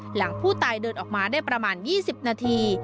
หลังผู้ตายเดินออกมาได้ประมาณ๒๐นาที